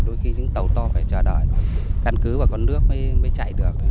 đôi khi những tàu to phải chờ đợi căn cứ và con nước mới chạy được